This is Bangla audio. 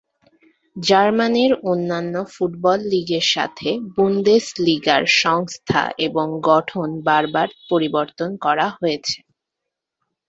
জার্মানির অন্যান্য ফুটবল লীগের সাথে বুন্দেসলিগার সংস্থা এবং গঠন বারবার পরিবর্তন করা হয়েছে।